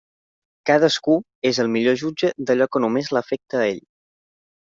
Cadascú és el millor jutge d'allò que només l'afecta a ell.